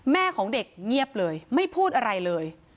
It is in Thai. แม่ของเด็กเงียบเลยไม่พูดอะไรเลย